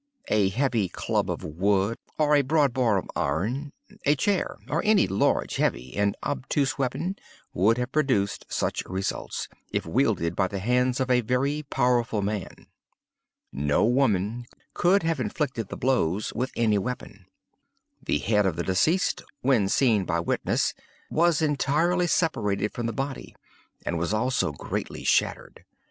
A heavy club of wood, or a broad bar of iron—a chair—any large, heavy, and obtuse weapon would have produced such results, if wielded by the hands of a very powerful man. No woman could have inflicted the blows with any weapon. The head of the deceased, when seen by witness, was entirely separated from the body, and was also greatly shattered.